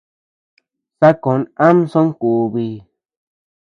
Sakon am songubi.